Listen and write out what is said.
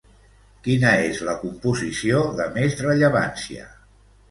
Quina és la composició de més rellevància?